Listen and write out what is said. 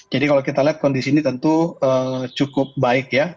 jadi kalau kita lihat kondisi ini tentu cukup baik ya